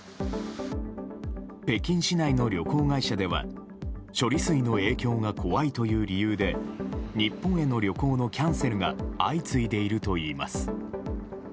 北京市内の旅行会社では処理水の影響が怖いという理由で日本への旅行のキャンセルが相次いでいるといいます。